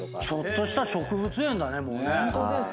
ちょっとした植物園だねもうね。